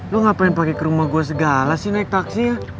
lu ngapain pake ke rumah gue segala sih naik taksi ya